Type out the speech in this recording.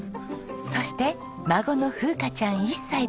そして孫の楓夏ちゃん１歳です。